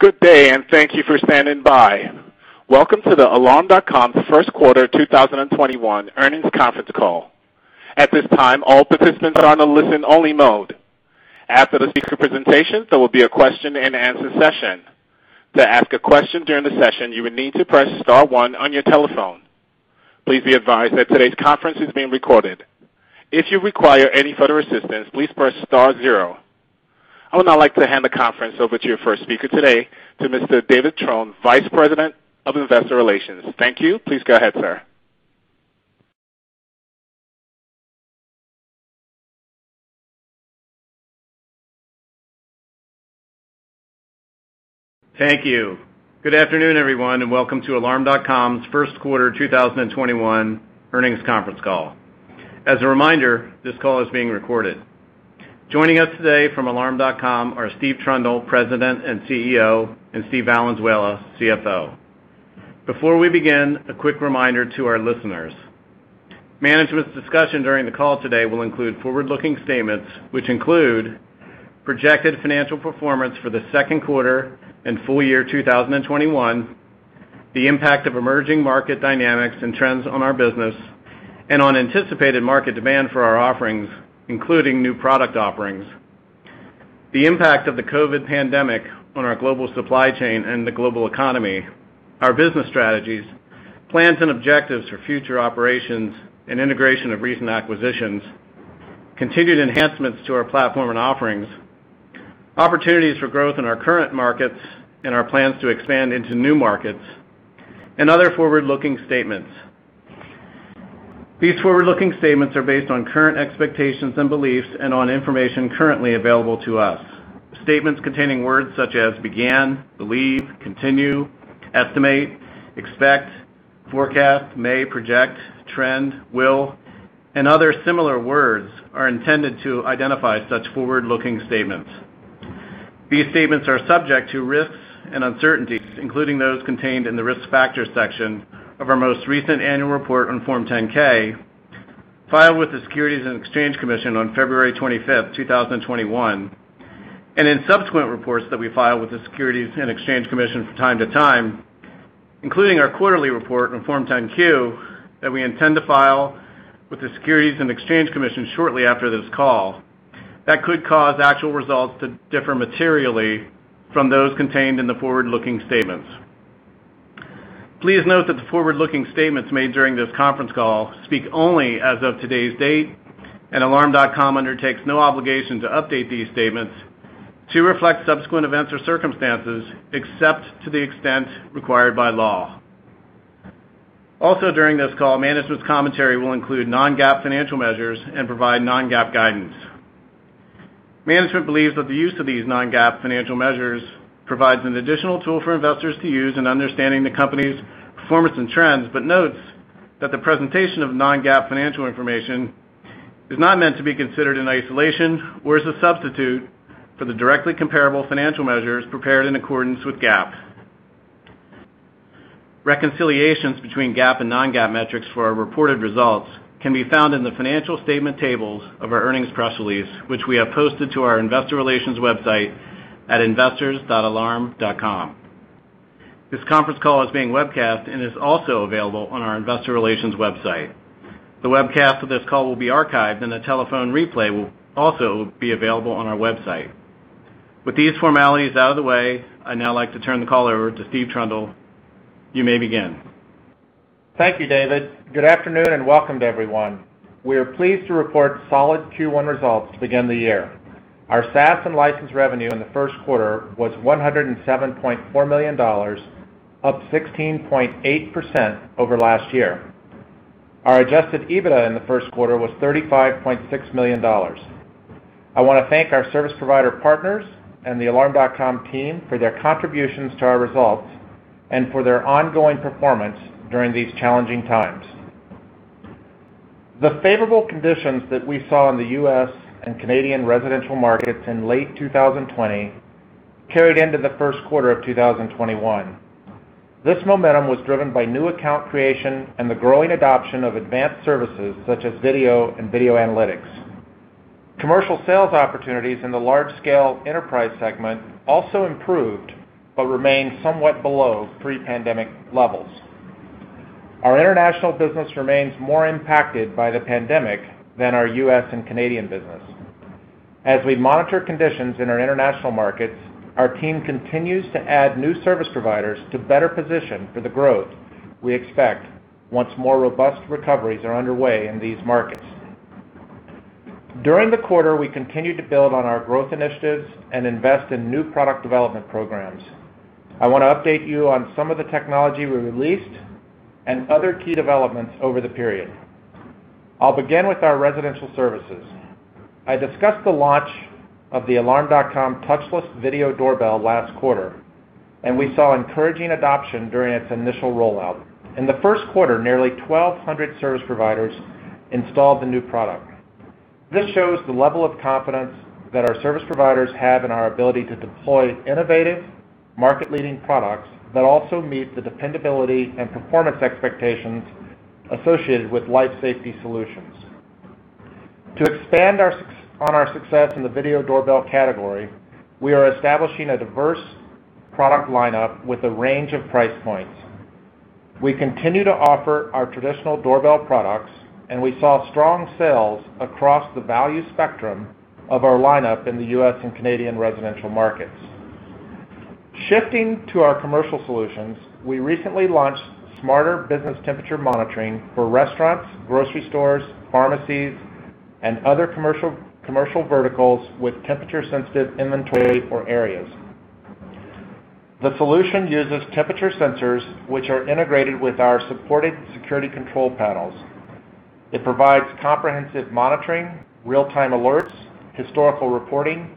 Good day. Thank you for standing by. Welcome to the Alarm.com Q1 2021 earnings conference call. At this time, all participants are on a listen only mode. After the speaker presentation, there will be a question and answer session. To ask a question during the session, you will need to press star one on your telephone. Please be advised that today's conference is being recorded. If you require any further assistance, please press star zero. I would now like to hand the conference over to your first speaker today, to Mr. David Trone, Vice President of Investor Relations. Thank you. Please go ahead, sir. Thank you. Good afternoon, everyone, and welcome to Alarm.com's Q1 2021 earnings conference call. As a reminder, this call is being recorded. Joining us today from Alarm.com are Steve Trundle, President and CEO, and Steve Valenzuela, CFO. Before we begin, a quick reminder to our listeners. Management's discussion during the call today will include forward-looking statements, which include projected financial performance for the second quarter and full year 2021, the impact of emerging market dynamics and trends on our business, and on anticipated market demand for our offerings, including new product offerings, the impact of the COVID pandemic on our global supply chain and the global economy, our business strategies, plans and objectives for future operations and integration of recent acquisitions, continued enhancements to our platform and offerings, opportunities for growth in our current markets, and our plans to expand into new markets, and other forward-looking statements. These forward-looking statements are based on current expectations and beliefs and on information currently available to us. Statements containing words such as began, believe, continue, estimate, expect, forecast, may, project, trend, will, and other similar words are intended to identify such forward-looking statements. These statements are subject to risks and uncertainties, including those contained in the Risk Factors section of our most recent annual report on Form 10-K, filed with the Securities and Exchange Commission on 25th February, 2021, and in subsequent reports that we file with the Securities and Exchange Commission from time to time, including our quarterly report on Form 10-Q that we intend to file with the Securities and Exchange Commission shortly after this call, that could cause actual results to differ materially from those contained in the forward-looking statements. Please note that the forward-looking statements made during this conference call speak only as of today's date, and Alarm.com undertakes no obligation to update these statements to reflect subsequent events or circumstances, except to the extent required by law. Also during this call, management's commentary will include non-GAAP financial measures and provide non-GAAP guidance. Management believes that the use of these non-GAAP financial measures provides an additional tool for investors to use in understanding the company's performance and trends, but notes that the presentation of non-GAAP financial information is not meant to be considered in isolation or as a substitute for the directly comparable financial measures prepared in accordance with GAAP. Reconciliations between GAAP and non-GAAP metrics for our reported results can be found in the financial statement tables of our earnings press release, which we have posted to our investor relations website at investors.alarm.com. This conference call is being webcast and is also available on our investor relations website. The webcast of this call will be archived, and a telephone replay will also be available on our website. With these formalities out of the way, I'd now like to turn the call over to Steve Trundle. You may begin. Thank you, David. Good afternoon, welcome to everyone. We are pleased to report solid Q1 results to begin the year. Our SaaS and license revenue in the Q1 was $107.4 million, up 16.8% over last year. Our adjusted EBITDA in the Q1 was $35.6 million. I want to thank our service provider partners and the Alarm.com team for their contributions to our results and for their ongoing performance during these challenging times. The favorable conditions that we saw in the U.S. and Canadian residential markets in late 2020 carried into the Q1 of 2021. This momentum was driven by new account creation and the growing adoption of advanced services such as video and video analytics. Commercial sales opportunities in the large-scale enterprise segment also improved, remain somewhat below pre-pandemic levels. Our international business remains more impacted by the pandemic than our U.S. and Canadian business. As we monitor conditions in our international markets, our team continues to add new service providers to better position for the growth we expect once more robust recoveries are underway in these markets. During the quarter, we continued to build on our growth initiatives and invest in new product development programs. I want to update you on some of the technology we released and other key developments over the period. I'll begin with our residential services. I discussed the launch of the Alarm.com Touchless Video Doorbell last quarter, and we saw encouraging adoption during its initial rollout. In the Q1, nearly 1,200 service providers installed the new product. This shows the level of confidence that our service providers have in our ability to deploy innovative, market-leading products that also meet the dependability and performance expectations associated with life safety solutions. To expand on our success in the video doorbell category, we are establishing a diverse product lineup with a range of price points. We continue to offer our traditional doorbell products, and we saw strong sales across the value spectrum of our lineup in the U.S. and Canadian residential markets. Shifting to our commercial solutions, we recently launched Smarter Business Temperature Monitoring for restaurants, grocery stores, pharmacies, and other commercial verticals with temperature-sensitive inventory or areas. The solution uses temperature sensors, which are integrated with our supported security control panels. It provides comprehensive monitoring, real-time alerts, historical reporting,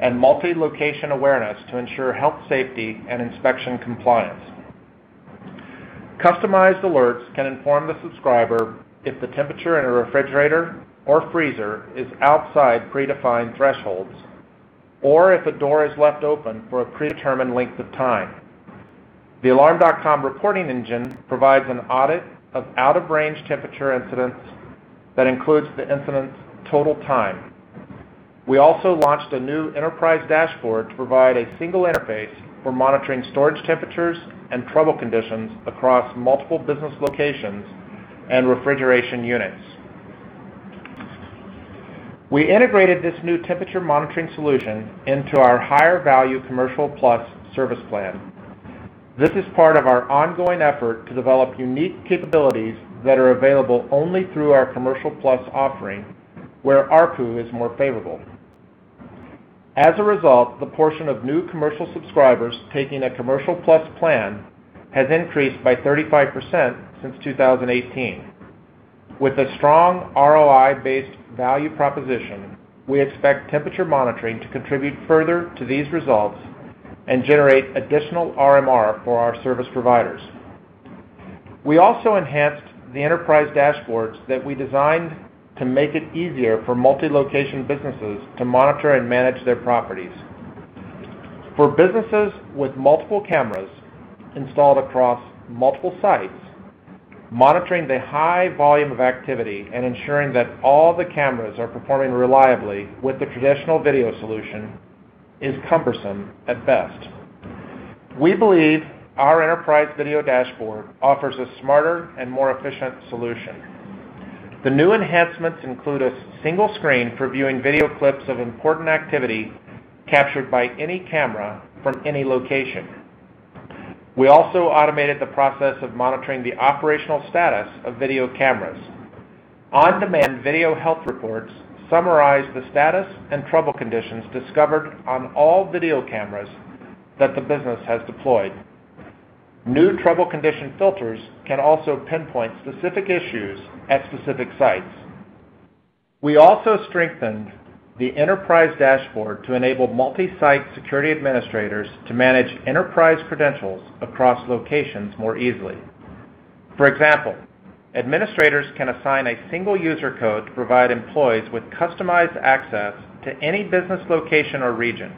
and multi-location awareness to ensure health safety and inspection compliance. Customized alerts can inform the subscriber if the temperature in a refrigerator or freezer is outside predefined thresholds or if a door is left open for a predetermined length of time. The Alarm.com reporting engine provides an audit of out-of-range temperature incidents that includes the incident's total time. We also launched a new enterprise dashboard to provide a single interface for monitoring storage temperatures and trouble conditions across multiple business locations and refrigeration units. We integrated this new temperature monitoring solution into our higher value Commercial Plus service plan. This is part of our ongoing effort to develop unique capabilities that are available only through our Commercial Plus offering, where ARPU is more favorable. As a result, the portion of new commercial subscribers taking a Commercial Plus plan has increased by 35% since 2018. With a strong ROI-based value proposition, we expect temperature monitoring to contribute further to these results and generate additional RMR for our service providers. We also enhanced the enterprise dashboards that we designed to make it easier for multi-location businesses to monitor and manage their properties. For businesses with multiple cameras installed across multiple sites, monitoring the high volume of activity and ensuring that all the cameras are performing reliably with the traditional video solution is cumbersome at best. We believe our enterprise video dashboard offers a smarter and more efficient solution. The new enhancements include a single screen for viewing video clips of important activity captured by any camera from any location. We also automated the process of monitoring the operational status of video cameras. On-demand video health reports summarize the status and trouble conditions discovered on all video cameras that the business has deployed. New trouble condition filters can also pinpoint specific issues at specific sites. We also strengthened the enterprise dashboard to enable multi-site security administrators to manage enterprise credentials across locations more easily. For example, administrators can assign a single user code to provide employees with customized access to any business location or region.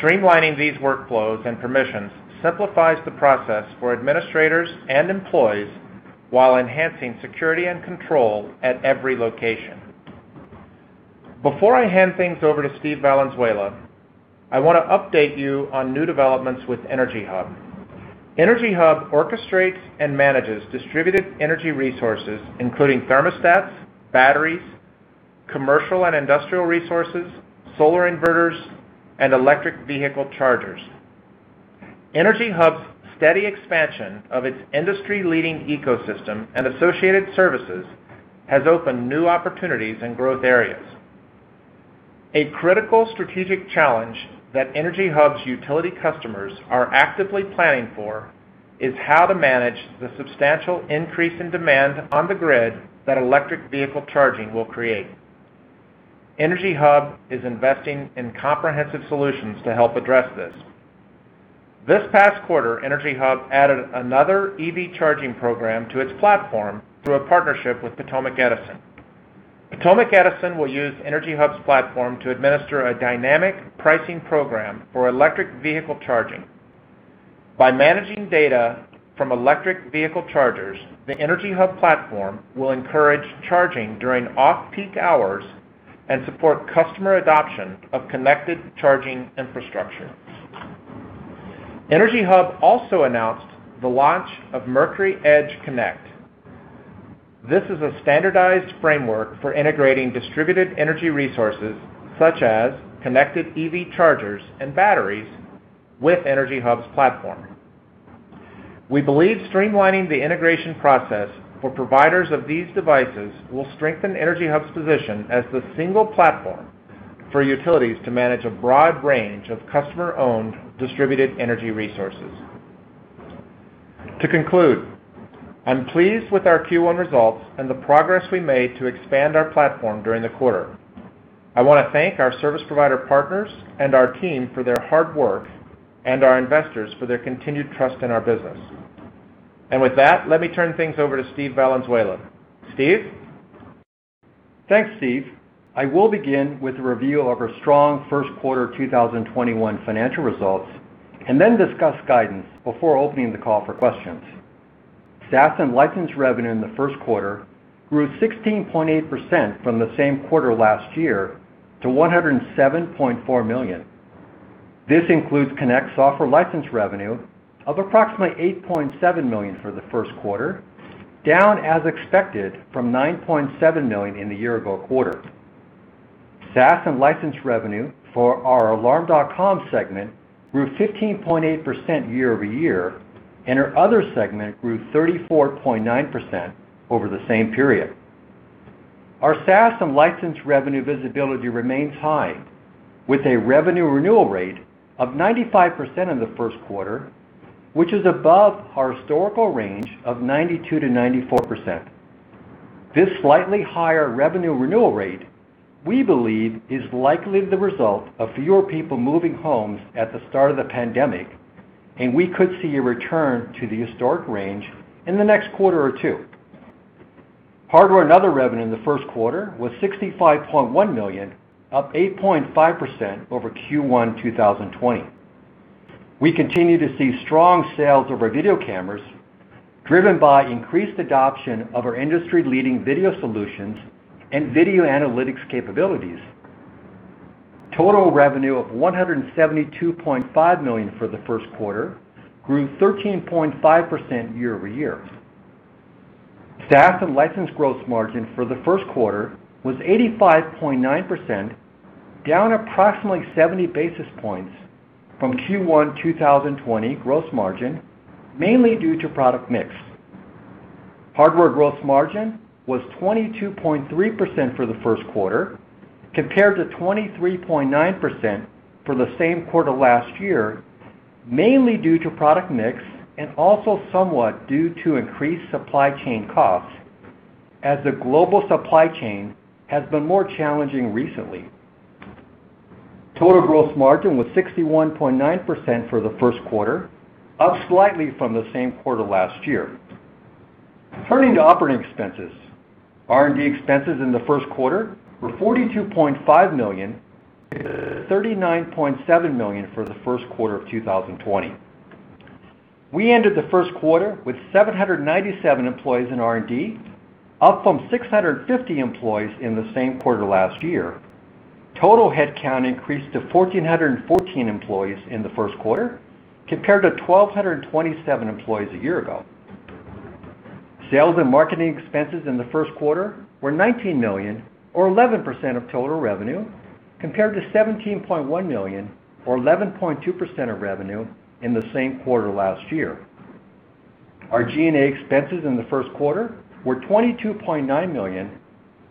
Streamlining these workflows and permissions simplifies the process for administrators and employees while enhancing security and control at every location. Before I hand things over to Steve Valenzuela, I want to update you on new developments with EnergyHub. EnergyHub orchestrates and manages distributed energy resources, including thermostats, batteries, commercial and industrial resources, solar inverters, and electric vehicle chargers. EnergyHub's steady expansion of its industry-leading ecosystem and associated services has opened new opportunities in growth areas. A critical strategic challenge that EnergyHub's utility customers are actively planning for is how to manage the substantial increase in demand on the grid that electric vehicle charging will create. EnergyHub is investing in comprehensive solutions to help address this. This past quarter, EnergyHub added another EV charging program to its platform through a partnership with Potomac Edison. Potomac Edison will use EnergyHub's platform to administer a dynamic pricing program for electric vehicle charging. By managing data from electric vehicle chargers, the EnergyHub platform will encourage charging during off-peak hours and support customer adoption of connected charging infrastructure. EnergyHub also announced the launch of Mercury Edge Connect. This is a standardized framework for integrating distributed energy resources such as connected EV chargers and batteries with EnergyHub's platform. We believe streamlining the integration process for providers of these devices will strengthen EnergyHub's position as the single platform for utilities to manage a broad range of customer-owned distributed energy resources. To conclude, I'm pleased with our Q1 results and the progress we made to expand our platform during the quarter. I want to thank our service provider partners and our team for their hard work and our investors for their continued trust in our business. With that, let me turn things over to Steve Valenzuela. Steve? Thanks, Steve. I will begin with a review of our strong Q1 2021 financial results and discuss guidance before opening the call for questions. SaaS and license revenue in the Q1 grew 16.8% from the same quarter last year to $107.4 million. This includes Connect software license revenue of approximately $8.7 million for the Q1, down as expected from $9.7 million in the year-ago quarter. SaaS and license revenue for our Alarm.com segment grew 15.8% year-over-year. Our other segment grew 34.9% over the same period. Our SaaS and license revenue visibility remains high, with a revenue renewal rate of 95% in the Q1, which is above our historical range of 92%-94%. This slightly higher revenue renewal rate, we believe is likely the result of fewer people moving homes at the start of the pandemic, and we could see a return to the historic range in the next quarter or two. Hardware and other revenue in the Q1 was $65.1 million, up 8.5% over Q1 2020. We continue to see strong sales of our video cameras, driven by increased adoption of our industry-leading video solutions and video analytics capabilities. Total revenue of $172.5 million for the Q1 grew 13.5% year-over-year. SaaS and license gross margin for the Q1 was 85.9%, down approximately 70 basis points from Q1 2020 gross margin, mainly due to product mix. Hardware gross margin was 22.3% for the Q1, compared to 23.9% for the same quarter last year, mainly due to product mix and also somewhat due to increased supply chain costs, as the global supply chain has been more challenging recently. Total gross margin was 61.9% for the Q1, up slightly from the same quarter last year. Turning to operating expenses. R&D expenses in the Q1 were $42.5 million, $39.7 million for the Q1 of 2020. We ended the Q1 with 797 employees in R&D, up from 650 employees in the same quarter last year. Total headcount increased to 1,414 employees in the Q1, compared to 1,227 employees a year ago. Sales and marketing expenses in the Q1 were $19 million or 11% of total revenue, compared to $17.1 million or 11.2% of revenue in the same quarter last year. Our G&A expenses in the Q1 were $22.9 million,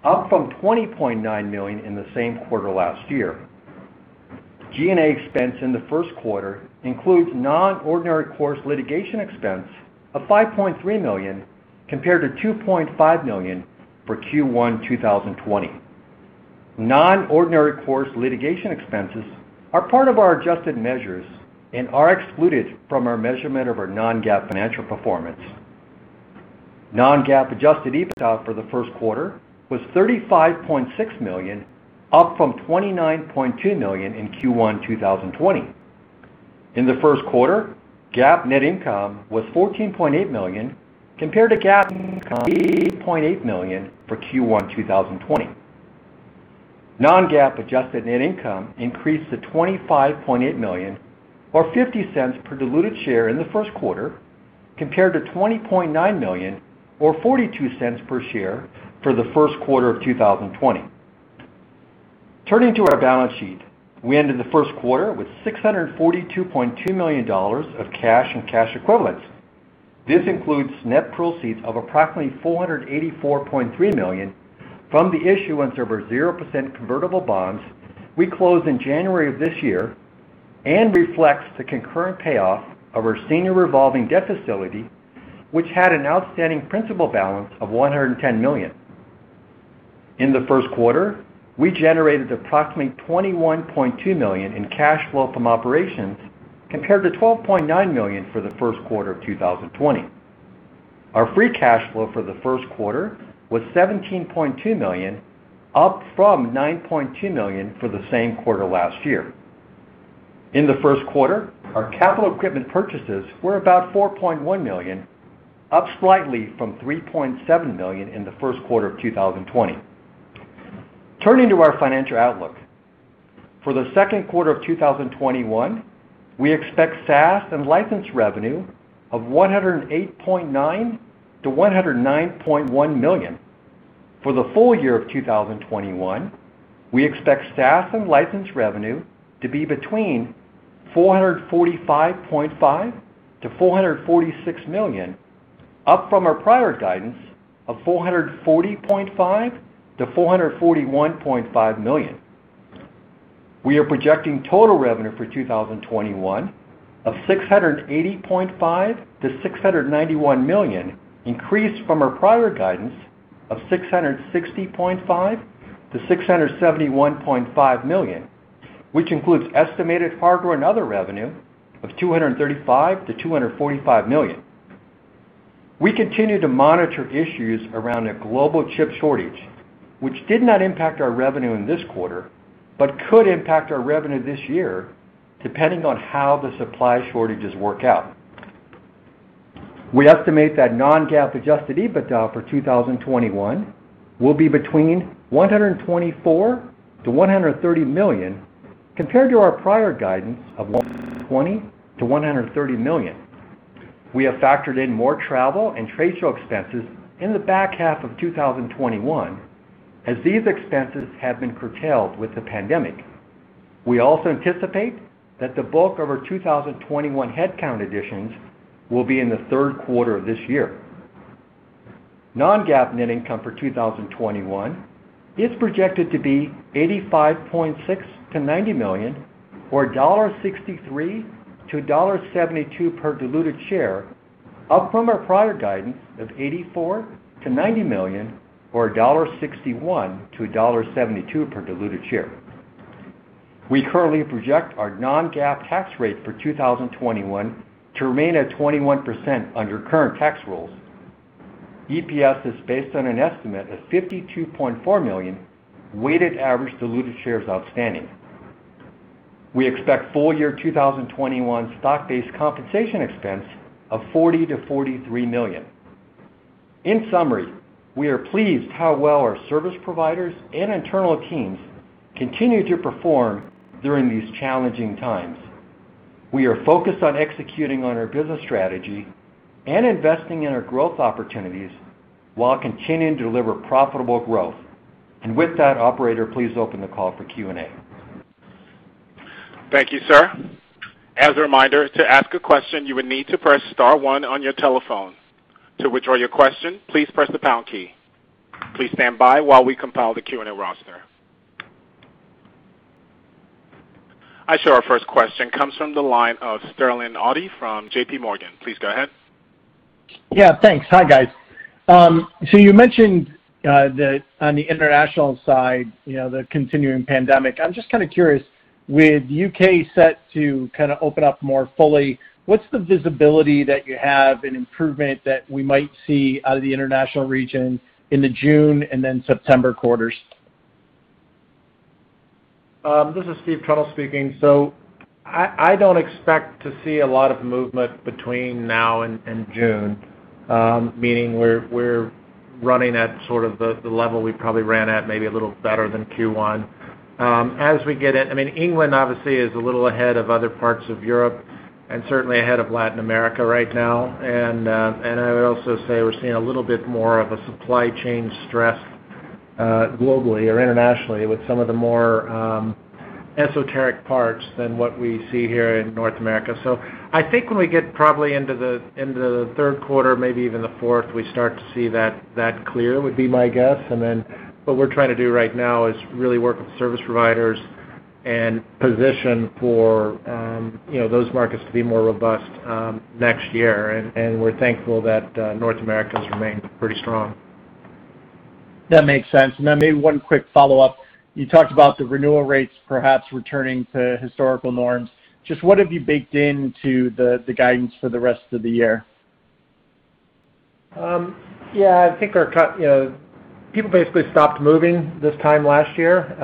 up from $20.9 million in the same quarter last year. G&A expense in the Q1 includes non-ordinary course litigation expense of $5.3 million, compared to $2.5 million for Q1 2020. Non-ordinary course litigation expenses are part of our adjusted measures and are excluded from our measurement of our non-GAAP financial performance. Non-GAAP adjusted EBITDA for the Q1 was $35.6 million, up from $29.2 million in Q1 2020. In the Q1, GAAP net income was $14.8 million, compared to GAAP income $8.8 million for Q1 2020. Non-GAAP adjusted net income increased to $25.8 million or $0.50 per diluted share in the Q1, compared to $20.9 million or $0.42 per share for the Q1 of 2020. Turning to our balance sheet, we ended the Q1 with $642.2 million of cash and cash equivalents. This includes net proceeds of approximately $484.3 million from the issuance of our 0% convertible bonds we closed in January of this year and reflects the concurrent payoff of our senior revolving debt facility, which had an outstanding principal balance of $110 million. In the Q1, we generated approximately $21.2 million in cash flow from operations, compared to $12.9 million for the Q1 of 2020. Our free cash flow for the Q1 was $17.2 million, up from $9.2 million for the same quarter last year. In the Q1, our capital equipment purchases were about $4.1 million, up slightly from $3.7 million in the Q1 of 2020. Turning to our financial outlook. For the second quarter of 2021, we expect SaaS and license revenue of $108.9 million-$109.1 million. For the full year of 2021, we expect SaaS and license revenue to be between $445.5 million-$446 million, up from our prior guidance of $440.5 million-$441.5 million. We are projecting total revenue for 2021 of $680.5 million-$691 million, increased from our prior guidance of $660.5 million-$671.5 million, which includes estimated hardware and other revenue of $235 million-$245 million. We continue to monitor issues around a global chip shortage, which did not impact our revenue in this quarter, but could impact our revenue this year depending on how the supply shortages work out. We estimate that non-GAAP adjusted EBITDA for 2021 will be between $124 million-$130 million compared to our prior guidance of $120 million-$130 million. We have factored in more travel and trade show expenses in the back half of 2021, as these expenses have been curtailed with the pandemic. We also anticipate that the bulk of our 2021 headcount additions will be in the third quarter of this year. Non-GAAP net income for 2021 is projected to be $85.6 million-$90 million, or $1.63-$1.72 per diluted share, up from our prior guidance of $84 million-$90 million or $1.61-$1.72 per diluted share. We currently project our non-GAAP tax rate for 2021 to remain at 21% under current tax rules. EPS is based on an estimate of 52.4 million weighted average diluted shares outstanding. We expect full year 2021 stock-based compensation expense of $40 million-$43 million. In summary, we are pleased how well our service providers and internal teams continue to perform during these challenging times. We are focused on executing on our business strategy and investing in our growth opportunities while continuing to deliver profitable growth. With that, operator, please open the call for Q&A. Thank you, sir. Please stand by while we compile the Q&A roster. I show our first question comes from the line of Sterling Auty from JPMorgan. Please go ahead. Yeah, thanks. Hi, guys. You mentioned on the international side, the continuing pandemic. I'm just kind of curious, with U.K. set to open up more fully, what's the visibility that you have and improvement that we might see out of the international region in the June and then September quarters? This is Steve Trundle speaking. I don't expect to see a lot of movement between now and June, meaning we're running at sort of the level we probably ran at maybe a little better than Q1. I mean, England obviously is a little ahead of other parts of Europe and certainly ahead of Latin America right now. I would also say we're seeing a little bit more of a supply chain stress globally or internationally with some of the more esoteric parts than what we see here in North America. I think when we get probably into the third quarter, maybe even the fourth, we start to see that clear, would be my guess. Then what we're trying to do right now is really work with service providers and position for those markets to be more robust next year. We're thankful that North America has remained pretty strong. That makes sense. Then maybe one quick follow-up. You talked about the renewal rates perhaps returning to historical norms. Just what have you baked into the guidance for the rest of the year? Yeah, people basically stopped moving this time last year.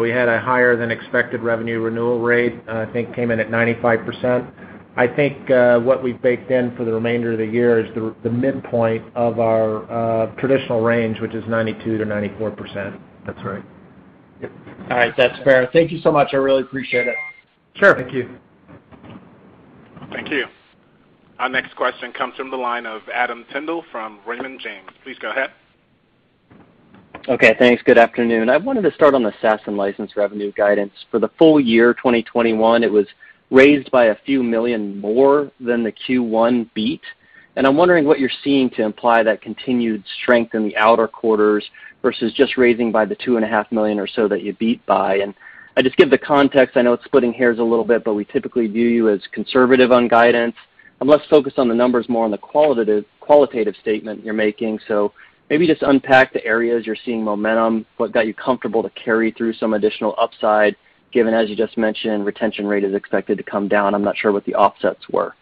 We had a higher than expected revenue renewal rate, and I think came in at 95%. I think what we've baked in for the remainder of the year is the midpoint of our traditional range, which is 92%-94%. That's right. All right. That's fair. Thank you so much. I really appreciate it. Sure. Thank you. Thank you. Our next question comes from the line of Adam Tindle from Raymond James. Please go ahead. Okay, thanks. Good afternoon. I wanted to start on the SaaS and license revenue guidance. For the full year 2021, it was raised by a few million more than the Q1 beat. I'm wondering what you're seeing to imply that continued strength in the outer quarters versus just raising by the $2.5 million or so that you beat by. I just give the context, I know it's splitting hairs a little bit, we typically view you as conservative on guidance. I'm less focused on the numbers, more on the qualitative statement you're making. Maybe just unpack the areas you're seeing momentum, what got you comfortable to carry through some additional upside, given, as you just mentioned, retention rate is expected to come down. I'm not sure what the offsets were.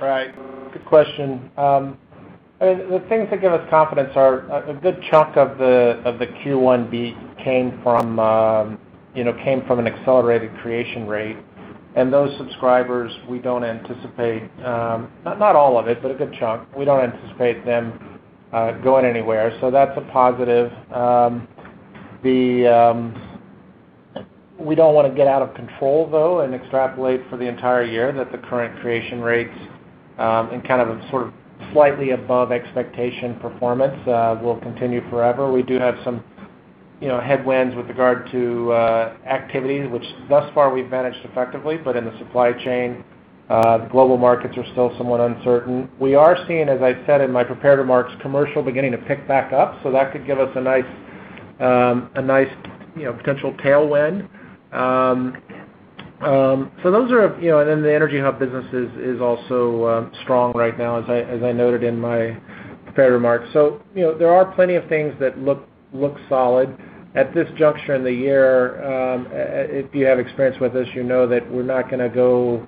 Right. Good question. The things that give us confidence are, a good chunk of the Q1 beat came from an accelerated creation rate. Those subscribers, not all of it, but a good chunk, we don't anticipate them going anywhere. That's a positive. We don't want to get out of control though and extrapolate for the entire year that the current creation rates and kind of sort of slightly above expectation performance will continue forever. We do have some headwinds with regard to activities, which thus far we've managed effectively, but in the supply chain, the global markets are still somewhat uncertain. We are seeing, as I said in my prepared remarks, commercial beginning to pick back up, so that could give us a nice potential tailwind. The EnergyHub business is also strong right now, as I noted in my Fair remark. There are plenty of things that look solid. At this juncture in the year, if you have experience with us, you know that we're not going to go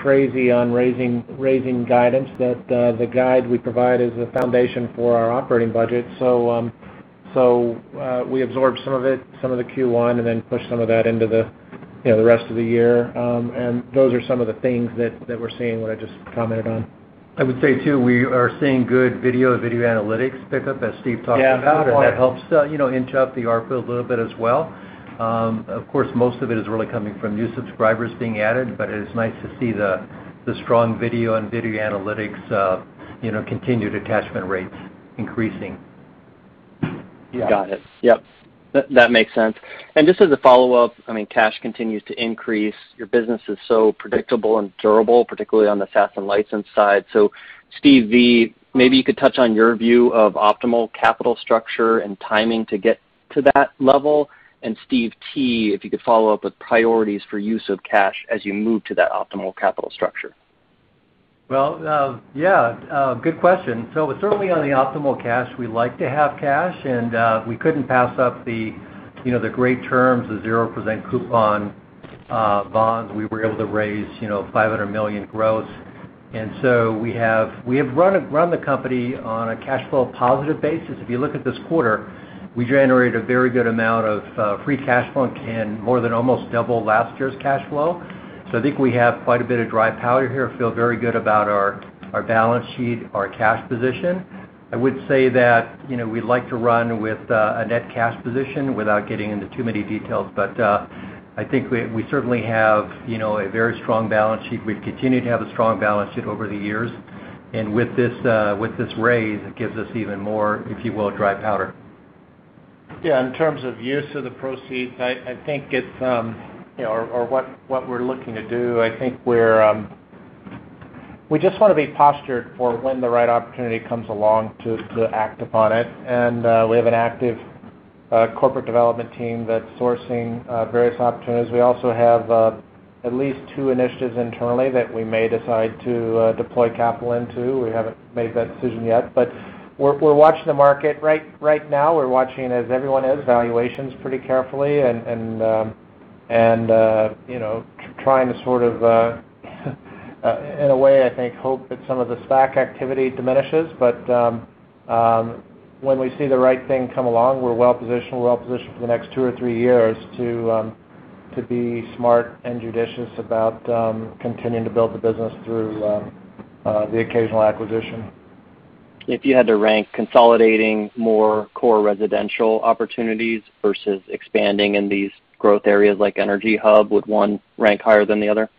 crazy on raising guidance, that the guide we provide is the foundation for our operating budget. We absorb some of it, some of the Q1, and then push some of that into the rest of the year. Those are some of the things that we're seeing, what I just commented on. I would say, too, we are seeing good video analytics pickup as Steve talked about. Yeah That helps inch up the ARPU a little bit as well. Of course, most of it is really coming from new subscribers being added, but it is nice to see the strong video and video analytics continued attachment rates increasing. Yeah. Got it. Yep. That makes sense. Just as a follow-up, cash continues to increase. Your business is so predictable and durable, particularly on the SaaS and license side. Steve V, maybe you could touch on your view of optimal capital structure and timing to get to that level. Steve T, if you could follow up with priorities for use of cash as you move to that optimal capital structure. Well, yeah. Good question. Certainly on the optimal cash, we like to have cash, and we couldn't pass up the great terms, the 0% coupon bonds. We were able to raise $500 million gross. We have run the company on a cash flow positive basis. If you look at this quarter, we generated a very good amount of free cash flow and more than almost double last year's cash flow. I think we have quite a bit of dry powder here. Feel very good about our balance sheet, our cash position. I would say that we'd like to run with a net cash position without getting into too many details, but I think we certainly have a very strong balance sheet. We've continued to have a strong balance sheet over the years. With this raise, it gives us even more, if you will, dry powder. Yeah. In terms of use of the proceeds or what we're looking to do, I think we just want to be postured for when the right opportunity comes along to act upon it. We have an active corporate development team that's sourcing various opportunities. We also have at least two initiatives internally that we may decide to deploy capital into. We haven't made that decision yet, we're watching the market right now. We're watching, as everyone is, valuations pretty carefully and trying to sort of, in a way, I think, hope that some of the SPAC activity diminishes. When we see the right thing come along, we're well-positioned for the next two or three years to be smart and judicious about continuing to build the business through the occasional acquisition. If you had to rank consolidating more core residential opportunities versus expanding in these growth areas like EnergyHub, would one rank higher than the other?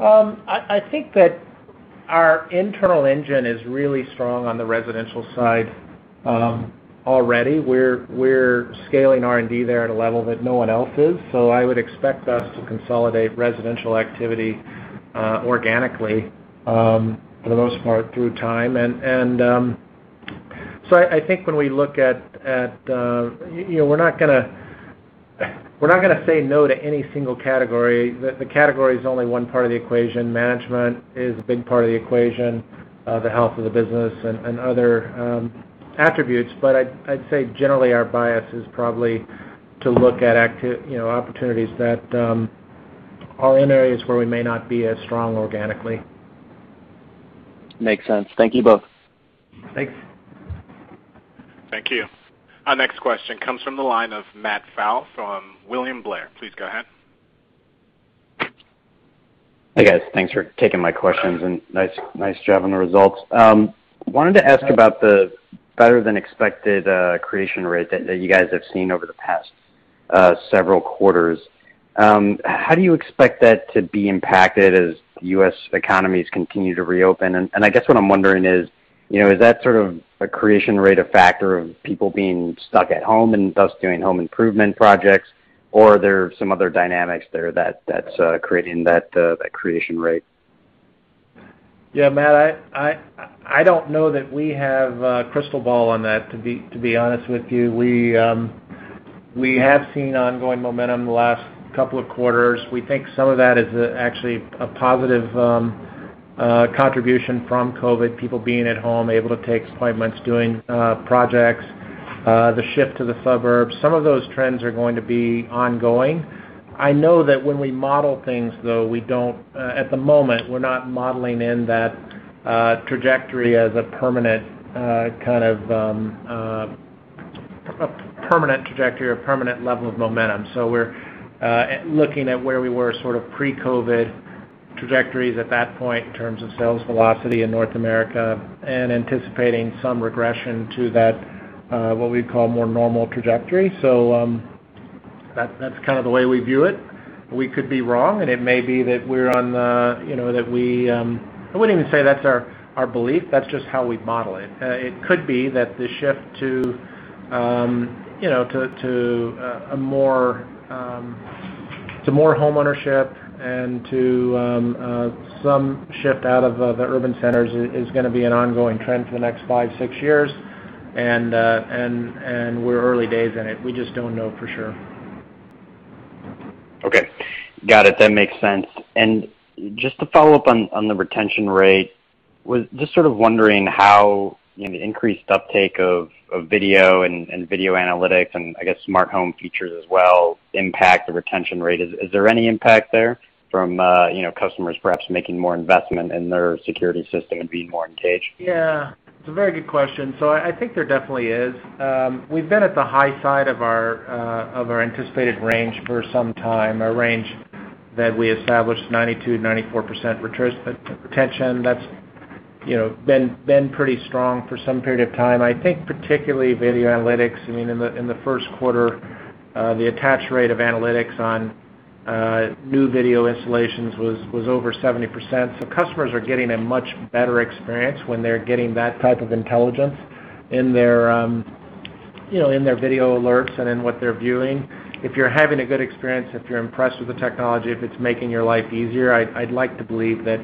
I think that our internal engine is really strong on the residential side already. We're scaling R&D there at a level that no one else is. I would expect us to consolidate residential activity organically for the most part through time. I think when we look at, we're not going to say no to any single category. The category is only one part of the equation. Management is a big part of the equation, the health of the business and other attributes. I'd say generally our bias is probably to look at opportunities that are in areas where we may not be as strong organically. Makes sense. Thank you both. Thanks. Thank you. Our next question comes from the line of Matt Pfau from William Blair. Please go ahead. Hi, guys. Thanks for taking my questions, and nice job on the results. Wanted to ask about the better-than-expected creation rate that you guys have seen over the past several quarters. How do you expect that to be impacted as U.S. economies continue to reopen? I guess what I'm wondering is that sort of a creation rate a factor of people being stuck at home and thus doing home improvement projects, or are there some other dynamics there that's creating that creation rate? Yeah, Matt, I don't know that we have a crystal ball on that, to be honest with you. We have seen ongoing momentum the last couple of quarters. We think some of that is actually a positive contribution from COVID, people being at home, able to take appointments, doing projects, the shift to the suburbs. Some of those trends are going to be ongoing. I know that when we model things, though, at the moment, we're not modeling in that trajectory as a permanent trajectory or permanent level of momentum. We're looking at where we were sort of pre-COVID trajectories at that point in terms of sales velocity in North America and anticipating some regression to that what we'd call more normal trajectory. That's kind of the way we view it. We could be wrong, and it may be that I wouldn't even say that's our belief. That's just how we model it. It could be that the shift to more homeownership and to some shift out of the urban centers is going to be an ongoing trend for the next five, six years, and we're early days in it. We just don't know for sure. Okay. Got it. That makes sense. Just to follow up on the retention rate, just sort of wondering how the increased uptake of video and video analytics and I guess smart home features as well impact the retention rate. Is there any impact there from customers perhaps making more investment in their security system and being more engaged? Yeah. It's a very good question. I think there definitely is. We've been at the high side of our anticipated range for some time, a range that we established 92%-94% retention. That's been pretty strong for some period of time. I think particularly video analytics, in the Q1, the attach rate of analytics on new video installations was over 70%. Customers are getting a much better experience when they're getting that type of intelligence in their video alerts and in what they're viewing. If you're having a good experience, if you're impressed with the technology, if it's making your life easier, I'd like to believe that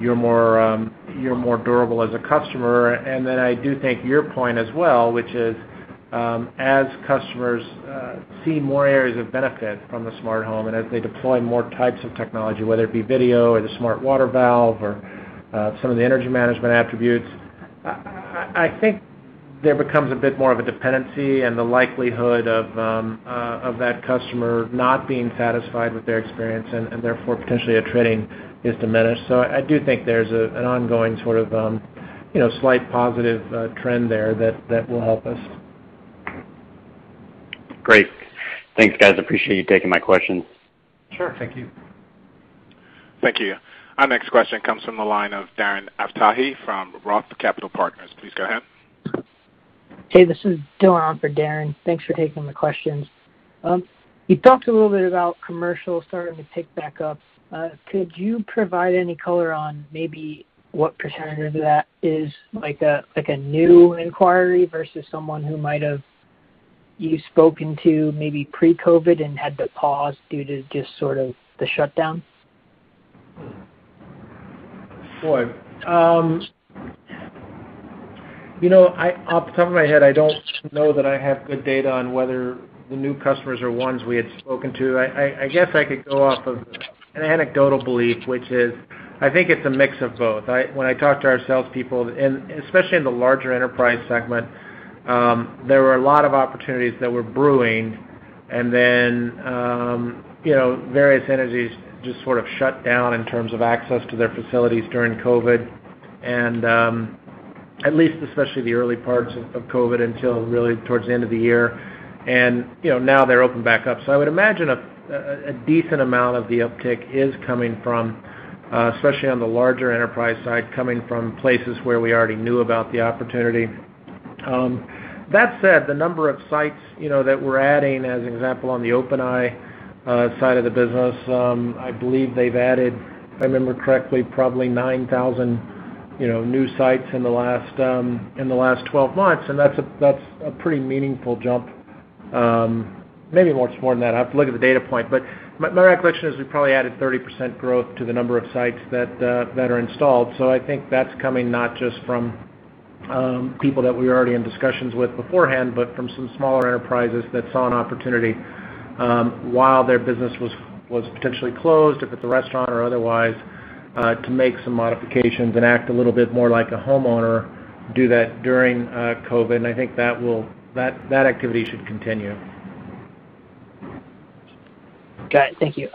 you're more durable as a customer. I do think your point as well, which is, as customers see more areas of benefit from the smart home and as they deploy more types of technology, whether it be video or the Smart Water Valve or some of the energy management attributes, I think there becomes a bit more of a dependency and the likelihood of that customer not being satisfied with their experience and therefore potentially attriting is diminished. I do think there's an ongoing sort of slight positive trend there that will help us. Great. Thanks, guys. Appreciate you taking my questions. Sure. Thank you. Thank you. Our next question comes from the line of Darren Aftahi from ROTH Capital Partners. Please go ahead. Hey, this is Dylan on for Darren. Thanks for taking the questions. You talked a little bit about commercial starting to pick back up. Could you provide any color on maybe what percentage of that is like a new inquiry versus someone who might have you spoken to maybe pre-COVID and had to pause due to just sort of the shutdown? Boy. Off the top of my head, I don't know that I have good data on whether the new customers are ones we had spoken to. I guess I could go off of an anecdotal belief, which is, I think it's a mix of both. When I talk to our salespeople, and especially in the larger enterprise segment, there were a lot of opportunities that were brewing and then various entities just sort of shut down in terms of access to their facilities during COVID and at least especially the early parts of COVID until really towards the end of the year. Now they're open back up. I would imagine a decent amount of the uptick is coming from, especially on the larger enterprise side, coming from places where we already knew about the opportunity. That said, the number of sites that we're adding, as an example, on the OpenEye side of the business, I believe they've added, if I remember correctly, probably 9,000 new sites in the last 12 months. That's a pretty meaningful jump. Maybe more than that. I'll have to look at the data point. My recollection is we probably added 30% growth to the number of sites that are installed. I think that's coming not just from people that we were already in discussions with beforehand, but from some smaller enterprises that saw an opportunity, while their business was potentially closed, if it's a restaurant or otherwise, to make some modifications and act a little bit more like a homeowner, do that during COVID. I think that activity should continue. Got it. Thank you.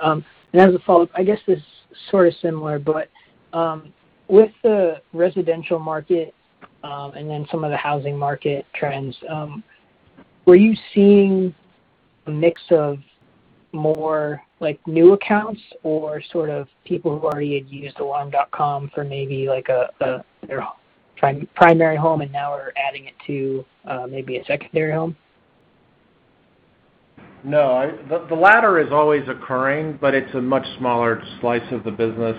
As a follow-up, I guess this is sort of similar, but with the residential market, and then some of the housing market trends, were you seeing a mix of more new accounts or sort of people who already had used Alarm.com for maybe their primary home and now are adding it to maybe a secondary home? No. The latter is always occurring, but it's a much smaller slice of the business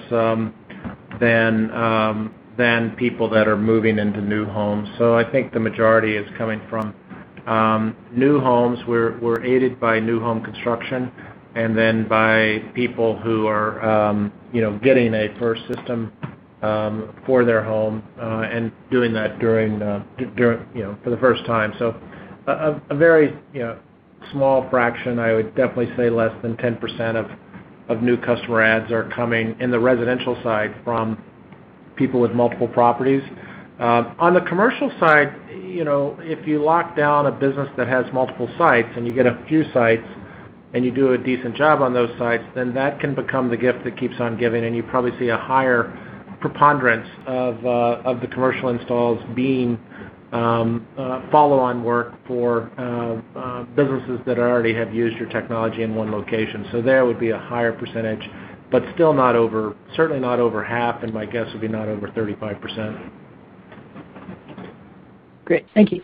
than people that are moving into new homes. I think the majority is coming from new homes, we're aided by new home construction and then by people who are getting a first system for their home, and doing that for the first time. A very small fraction, I would definitely say less than 10% of new customer adds are coming in the residential side from people with multiple properties. On the commercial side, if you lock down a business that has multiple sites and you get a few sites and you do a decent job on those sites, then that can become the gift that keeps on giving, and you probably see a higher preponderance of the commercial installs being follow-on work for businesses that already have used your technology in one location. There would be a higher percentage, but certainly not over half, and my guess would be not over 35%. Great. Thank you.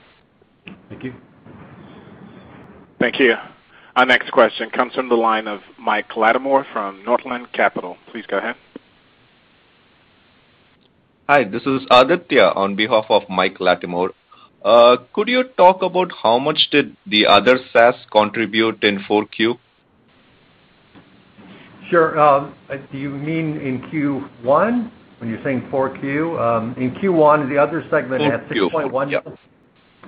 Thank you. Thank you. Our next question comes from the line of Mike Latimore from Northland Capital. Please go ahead. Hi. This is Aditya on behalf of Mike Latimore. Could you talk about how much did the other SaaS contribute in 4Q? Sure. Do you mean in Q1 when you're saying 4Q? In Q1, the other segment had $6.1. 4Q, yes.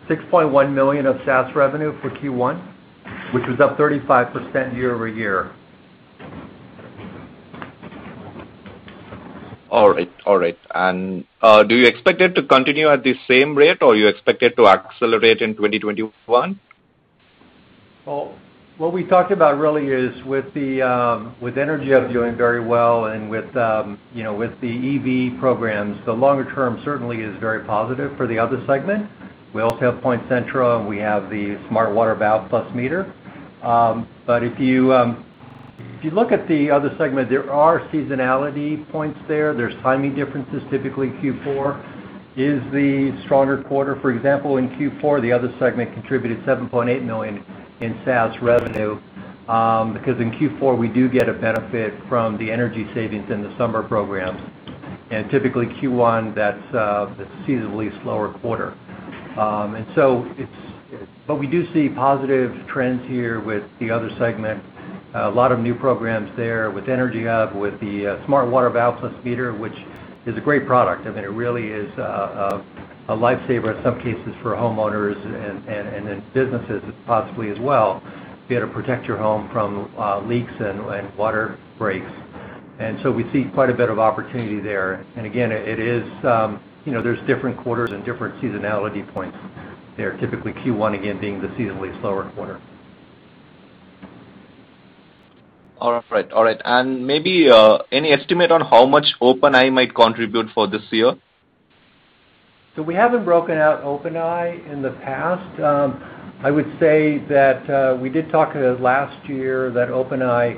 $6.1 million of SaaS revenue for Q1, which was up 35% year-over-year. All right. Do you expect it to continue at the same rate, or you expect it to accelerate in 2021? What we talked about really is with EnergyHub doing very well and with the EV programs, the longer term certainly is very positive for the other segment. We also have PointCentral, and we have the Smart Water Valve+Meter. If you look at the other segment, there are seasonality points there. There's timing differences. Typically, Q4 is the stronger quarter. For example, in Q4, the other segment contributed $7.8 million in SaaS revenue, because in Q4, we do get a benefit from the energy savings in the summer programs. Typically, Q1, that's a seasonally slower quarter. We do see positive trends here with the other segment. A lot of new programs there with EnergyHub, with the Smart Water Valve+Meter, which is a great product. It really is a lifesaver in some cases for homeowners and in businesses possibly as well, to be able to protect your home from leaks and water breaks. We see quite a bit of opportunity there. Again, there's different quarters and different seasonality points there. Typically Q1, again, being the seasonally slower quarter. All right. Maybe any estimate on how much OpenEye might contribute for this year? We haven't broken out OpenEye in the past. I would say that we did talk last year that OpenEye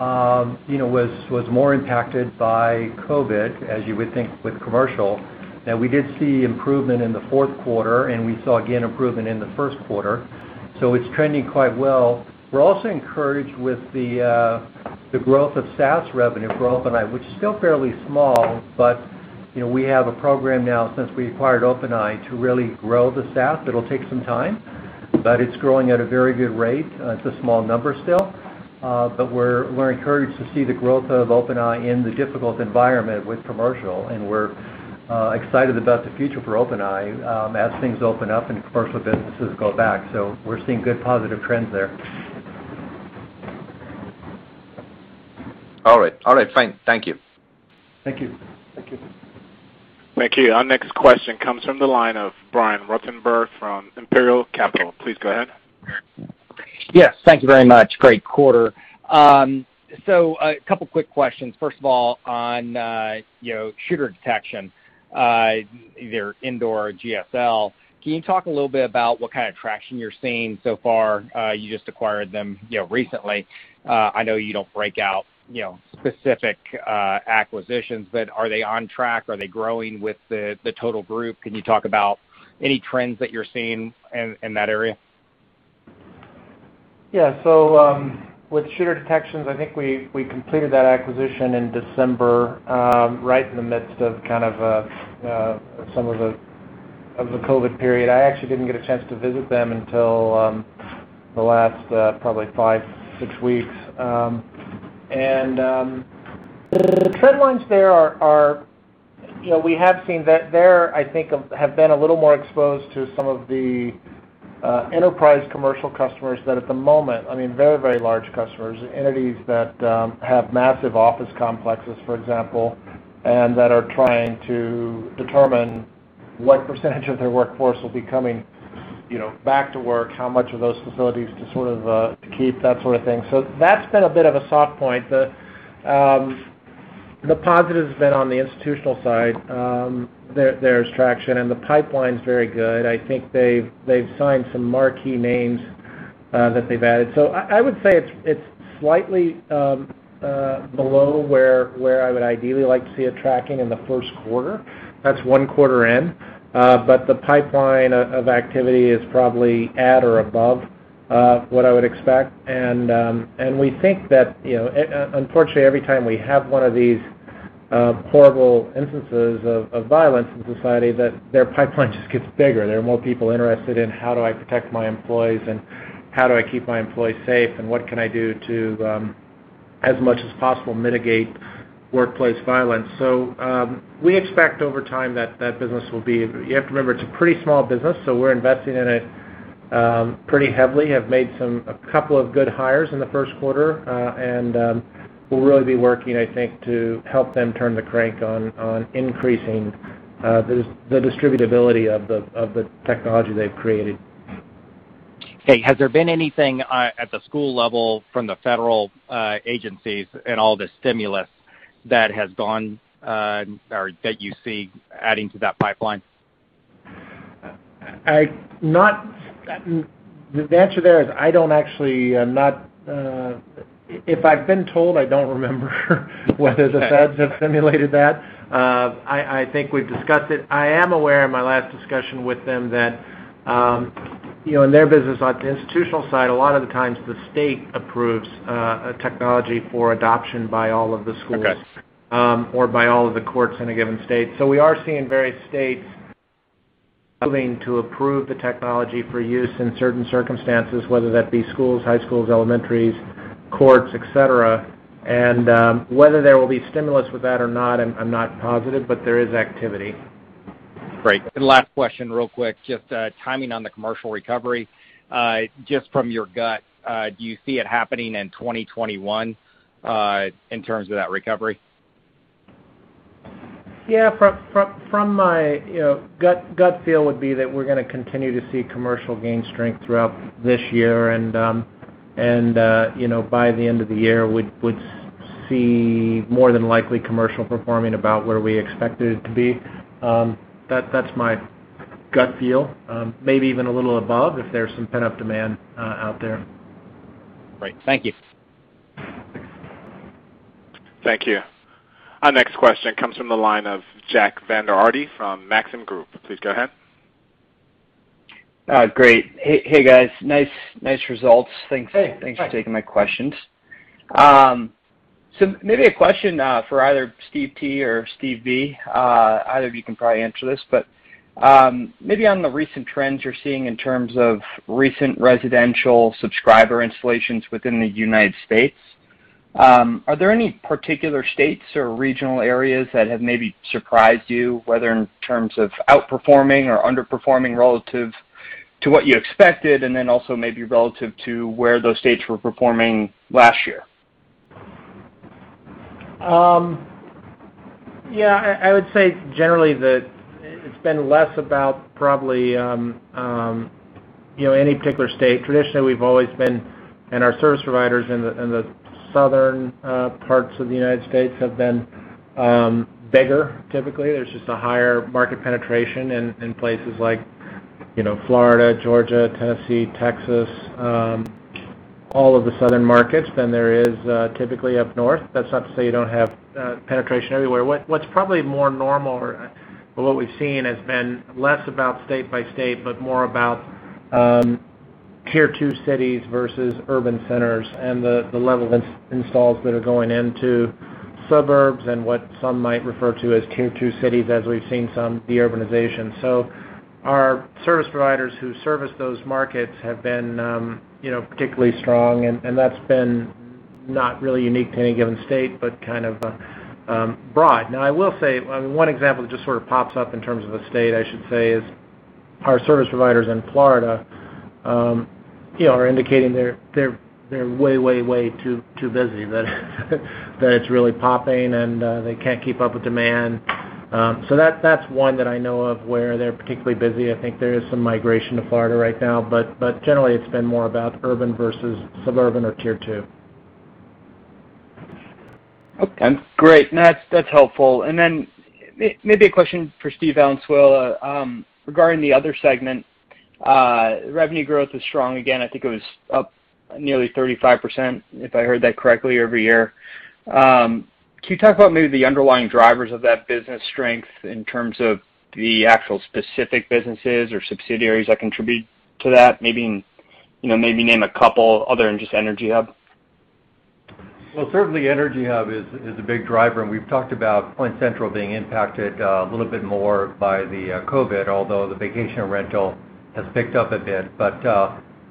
was more impacted by COVID, as you would think with commercial. We did see improvement in the fourth quarter, and we saw again improvement in the Q1. It's trending quite well. We're also encouraged with the growth of SaaS revenue for OpenEye, which is still fairly small, but we have a program now since we acquired OpenEye to really grow the SaaS. It'll take some time, but it's growing at a very good rate. It's a small number still, but we're encouraged to see the growth of OpenEye in the difficult environment with commercial, and we're excited about the future for OpenEye as things open up and commercial businesses go back. We're seeing good positive trends there. All right. Fine. Thank you. Thank you. Thank you. Thank you. Our next question comes from the line of Brian Ruttenbur from Imperial Capital. Please go ahead. Yes, thank you very much. Great quarter. A couple quick questions. First of all, on shooter detection, either indoor or uncertain can you talk a little bit about what kind of traction you're seeing so far? You just acquired them recently. I know you don't break out specific acquisitions, are they on track? Are they growing with the total group? Can you talk about any trends that you're seeing in that area? With Shooter Detections, I think we completed that acquisition in December right in the midst of some of the COVID period. I actually didn't get a chance to visit them until the last probably five, six weeks. The trend lines there are, we have seen that there, I think, have been a little more exposed to some of the enterprise commercial customers that at the moment, very large customers, entities that have massive office complexes, for example, and that are trying to determine what percentage of their workforce will be coming back to work, how much of those facilities to keep, that sort of thing. That's been a bit of a soft point. The positive's been on the institutional side. There's traction, and the pipeline's very good. I think they've signed some marquee names that they've added. I would say it's slightly below where I would ideally like to see it tracking in the Q1. That's 1 quarter in. The pipeline of activity is probably at or above what I would expect, and we think that, unfortunately, every time we have one of these horrible instances of violence in society, that their pipeline just gets bigger. There are more people interested in how do I protect my employees, and how do I keep my employees safe, and what can I do to, as much as possible, mitigate workplace violence. We expect over time that business will be. You have to remember, it's a pretty small business, so we're investing in it pretty heavily. Have made a couple of good hires in the Q1, and we'll really be working, I think, to help them turn the crank on increasing the distributability of the technology they've created. Okay. Has there been anything at the school level from the federal agencies and all the stimulus that you see adding to that pipeline? The answer there is I don't actually know. If I've been told, I don't remember whether the feds have simulated that. I think we've discussed it. I am aware in my last discussion with them that in their business, on the institutional side, a lot of the times the state approves a technology for adoption by all of the schools. Okay or by all of the courts in a given state. We are seeing various states moving to approve the technology for use in certain circumstances, whether that be schools, high schools, elementaries. Courts, et cetera. Whether there will be stimulus with that or not, I'm not positive, but there is activity. Great. Last question real quick, just timing on the commercial recovery. Just from your gut, do you see it happening in 2021, in terms of that recovery? Yeah. From my gut feel would be that we're gonna continue to see commercial gain strength throughout this year, and by the end of the year, would see more than likely commercial performing about where we expected it to be. That's my gut feel. Maybe even a little above, if there's some pent-up demand out there. Great. Thank you. Thank you. Our next question comes from the line of Jack Vander Aarde from Maxim Group. Please go ahead. Great. Hey, guys. Nice results. Hey, Jack. Thanks for taking my questions. Maybe a question for either Steve T or Steve V. Either of you can probably answer this, maybe on the recent trends you're seeing in terms of recent residential subscriber installations within the U.S. Are there any particular states or regional areas that have maybe surprised you, whether in terms of outperforming or underperforming relative to what you expected, also maybe relative to where those states were performing last year? Yeah. I would say generally that it's been less about probably any particular state. Traditionally, we've always been, and our service providers in the southern parts of the U.S. have been bigger, typically. There's just a higher market penetration in places like Florida, Georgia, Tennessee, Texas, all of the southern markets, than there is typically up north. That's not to say you don't have penetration everywhere. What's probably more normal or what we've seen has been less about state by state, but more about tier 2 cities versus urban centers and the level of installs that are going into suburbs and what some might refer to as tier 2 cities, as we've seen some de-urbanization. Our service providers who service those markets have been particularly strong, and that's been not really unique to any given state, but kind of broad. I will say, one example that just sort of pops up in terms of a state, I should say, is our service providers in Florida are indicating they're way too busy. It's really popping, and they can't keep up with demand. That's one that I know of where they're particularly busy. I think there is some migration to Florida right now. Generally, it's been more about urban versus suburban or tier 2. Okay, great. No, that's helpful. Maybe a question for Steve Valenzuela. Regarding the other segment, revenue growth was strong again. I think it was up nearly 35%, if I heard that correctly, year-over-year. Can you talk about maybe the underlying drivers of that business strength in terms of the actual specific businesses or subsidiaries that contribute to that? Maybe name a couple other than just EnergyHub. Certainly EnergyHub is a big driver, and we've talked about PointCentral being impacted a little bit more by the COVID, although the vacation rental has picked up a bit.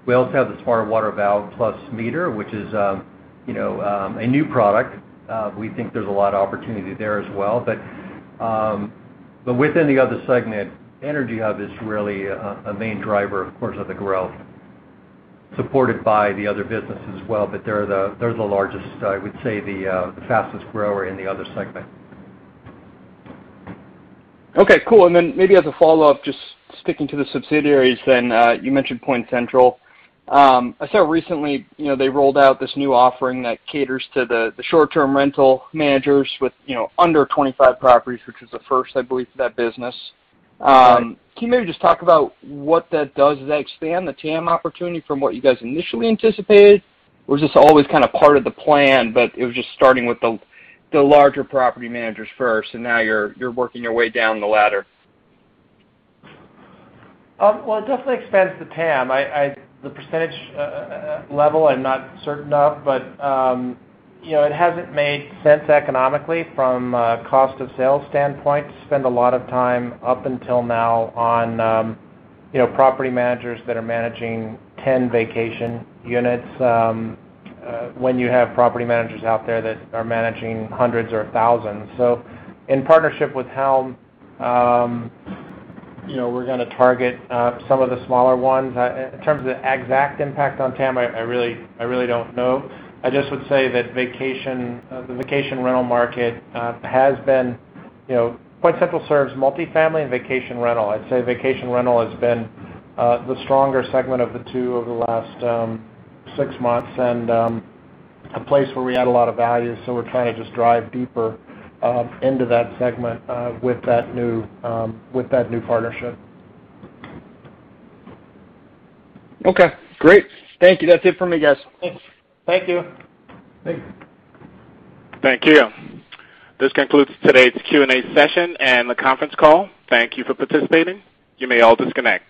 We also have the Smart Water Valve+Meter, which is a new product. We think there's a lot of opportunity there as well. Within the other segment, EnergyHub is really a main driver, of course, of the growth, supported by the other businesses as well. They're the largest, I would say, the fastest grower in the other segment. Okay, cool. Maybe as a follow-up, just sticking to the subsidiaries then. You mentioned PointCentral. I saw recently they rolled out this new offering that caters to the short-term rental managers with under 25 properties, which was a first, I believe, for that business. Right. Can you maybe just talk about what that does? Does that expand the TAM opportunity from what you guys initially anticipated? Was this always kind of part of the plan, but it was just starting with the larger property managers first, and now you're working your way down the ladder? Well, it definitely expands the TAM. The percentage level I'm not certain of, but it hasn't made sense economically from a cost of sales standpoint to spend a lot of time up until now on property managers that are managing 10 vacation units, when you have property managers out there that are managing hundreds or thousands. In partnership with uncertain we're gonna target some of the smaller ones. In terms of the exact impact on TAM, I really don't know. I just would say that the vacation rental market has been. PointCentral serves multi-family and vacation rental. I'd say vacation rental has been the stronger segment of the two over the last six months and a place where we add a lot of value. We're trying to just drive deeper into that segment with that new partnership. Okay, great. Thank you. That's it for me, guys. Thanks. Thank you. Thanks. Thank you. This concludes today's Q&A session and the conference call. Thank you for participating. You may all disconnect.